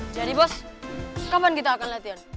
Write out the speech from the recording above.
jadi bos kapan kita akan latihan